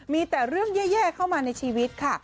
มีแต่เรื่องแย่เข้ามาในชีวิตค่ะ